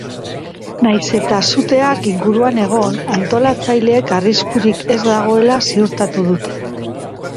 Nahiz eta suteak inguruan egon, antolatzaileek arriskurik ez dagoela ziurtatu dute.